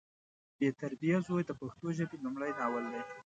بې تربیه زوی د پښتو ژبې لمړی ناول دی